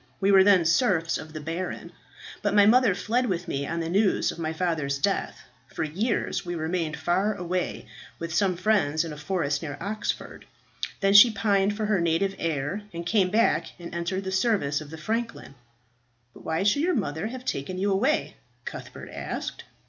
We were then serfs of the baron. But my mother fled with me on the news of my father's death. For years we remained far away, with some friends in a forest near Oxford. Then she pined for her native air, and came back and entered the service of the franklin." "But why should your mother have taken you away?" Cuthbert asked.